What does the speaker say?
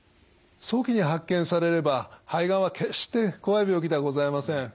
早期に発見されれば肺がんは決して怖い病気ではございません。